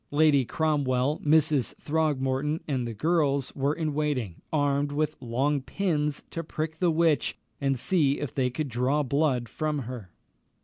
Lady Cromwell, Mrs. Throgmorton, and the girls were in waiting, armed with long pins to prick the witch, and see if they could draw blood from her.